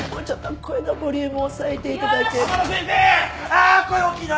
あ声大きいな！